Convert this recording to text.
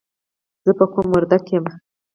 زه په قوم وردګ یم.